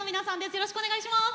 よろしくお願いします。